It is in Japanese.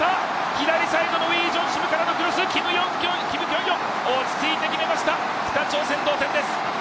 左サイドのウィ・ジョンシムからのクロス、キム・キョンヨン、落ち着いて決めました、北朝鮮同点です。